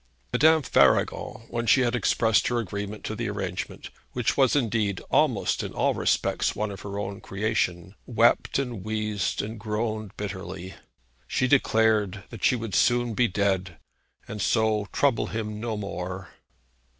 Madame Faragon, when she had expressed her agreement to the arrangement, which was indeed almost in all respects one of her own creation, wept and wheezed and groaned bitterly. She declared that she would soon be dead, and so trouble him no more.